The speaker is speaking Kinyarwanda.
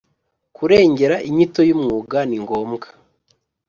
Kurengera inyito y umwuga ningombwa